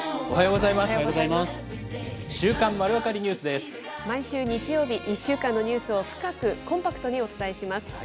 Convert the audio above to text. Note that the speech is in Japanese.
おはようございます。